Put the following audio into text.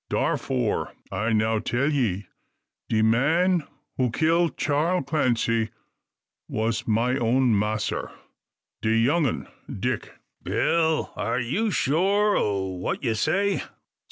Darfore, I now tell ye, de man who kill Charl Clancy was my own massr de young un Dick." "Bill! are you sure o' what ye say?"